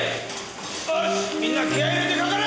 よしみんな気合入れてかかれ！